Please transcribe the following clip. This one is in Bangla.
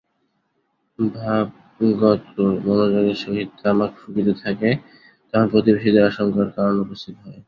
ভাগবত যখন মনোযোগের সহিত তামাক ফুঁকিতে থাকে, তখন প্রতিবেশীদের আশঙ্কার কারণ উপস্থিত হয়।